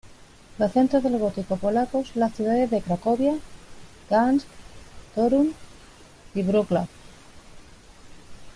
Los centros del Gótico polaco son las ciudades de Cracovia, Gdańsk, Toruń y Wrocław.